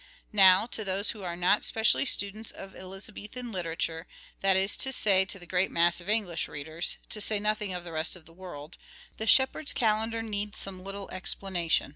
Now, to those who are not specially students of Elizabethan literature, that is to say to the great mass of English readers, to say nothing of the rest of the world, " The Shepherd's Calender " needs some little explanation.